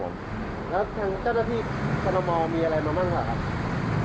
แล้วใจต้นอาทิตย์พรมมมีอะไรมามั่งค่ะครับ